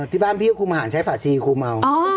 อ๋อที่บ้านพี่คุมอาหารใช้ฝาดซีคุมเอา